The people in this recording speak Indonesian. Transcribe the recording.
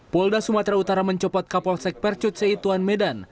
polda sumatera utara mencopot kapolsek percut seituan medan